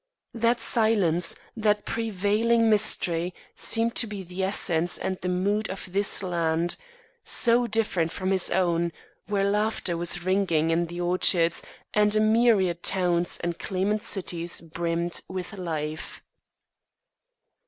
That silence, that prevailing mystery, seemed to be the essence and the mood of this land, so different from his own, where laughter was ringing in the orchards and a myriad towns and clamant cities brimmed with life.